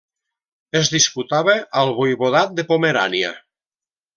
Es disputava al Voivodat de Pomerània.